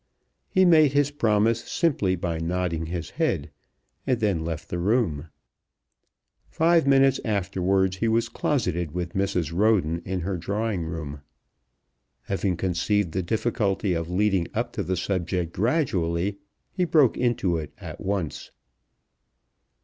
He made his promise simply by nodding his head, and then left the room. Five minutes afterwards he was closeted with Mrs. Roden in her drawing room. Having conceived the difficulty of leading up to the subject gradually, he broke into it at once.